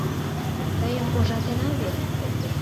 — Тыйым ужатена вет?